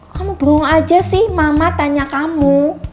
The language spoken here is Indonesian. kamu beruang aja sih mama tanya kamu